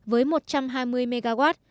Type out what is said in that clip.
với một trăm hai mươi mw